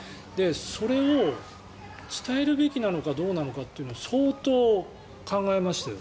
それを伝えるべきなのかどうなのかというのは相当、考えましたよ。